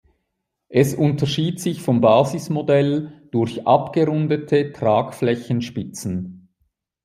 Es unterschied sich vom Basismodell durch abgerundete Tragflächenspitzen.